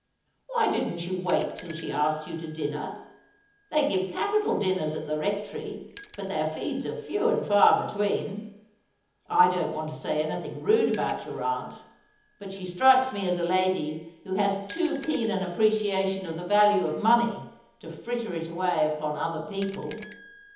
' Why didn't you wait till she asked you to dinner ? They give capital dinners at the Rectory, but their feeds are few and far between. I don't want to say anything rude about your aunt, but she strikes me as a lady who has too keen an appre ciation of the value of money to fritter it away upon other people.'